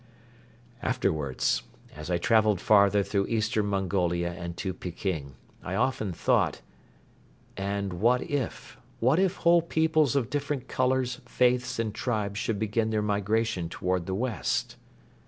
'"Afterwards, as I traveled farther through Eastern Mongolia and to Peking, I often thought: "And what if ...? What if whole peoples of different colors, faiths and tribes should begin their migration toward the West?"